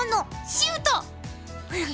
シュート。